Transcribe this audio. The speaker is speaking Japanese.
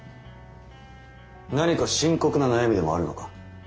何か深刻な悩みでもあるのか？